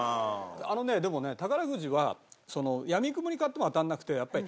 あのねでもね宝くじはやみくもに買っても当たらなくてやっぱり。